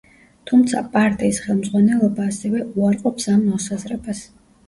თუმცა, პარტიის ხელმძღვანელობა ასევე უარყოფს ამ მოსაზრებას.